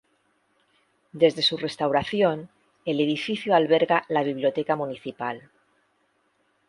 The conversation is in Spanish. Desde su restauración el edificio alberga la biblioteca municipal.